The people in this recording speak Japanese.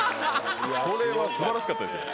これは素晴らしかったですよ。